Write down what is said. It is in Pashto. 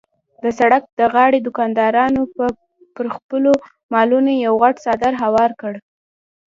د سړک د غاړې دوکاندارانو به پر خپلو مالونو یو غټ څادر هوار کړ.